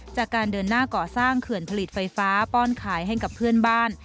จากการเดินหน้าก่อสร้างเขื่อนผลิตไฟฟ้าป้อนขายให้กับเพื่อนบ้าน